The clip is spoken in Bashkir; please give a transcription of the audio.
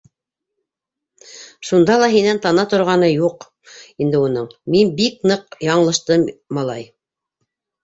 Шунда ла һинән тана торғаны юҡ инде уның - мин бик ныҡ яңылыштым, малай.